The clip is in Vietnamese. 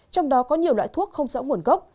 trong đó có nhiều loại thuốc không rõ nguồn gốc